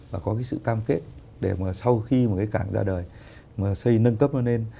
và có cái sự cam kết để mà sau khi mà cái cảng ra đời mà xây nâng cấp nó lên